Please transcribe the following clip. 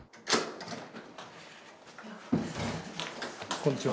こんにちは。